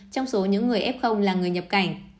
trong số những người f là người nhập cảnh